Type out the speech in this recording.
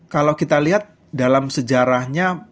kalau kita lihat dalam sejarahnya